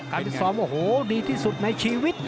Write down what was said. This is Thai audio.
การที่สอบโอ้โหดีที่สุดในชีวิต